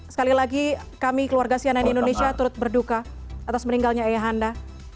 sekali lagi kami keluarga sianan di indonesia turut berduka atas meninggalnya eyahanda